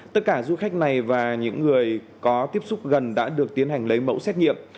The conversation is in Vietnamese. tất cả du khách này và những người có tiếp xúc gần đã được tiến hành lấy mẫu xét nghiệm